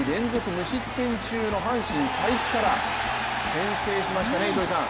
無失点中の阪神・才木から先制しましたね。